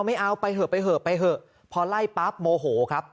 ไม่เอาไปเถอะพอไล่ปั๊บโมโหครับ